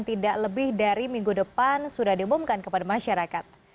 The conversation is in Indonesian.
tidak lebih dari minggu depan sudah diumumkan kepada masyarakat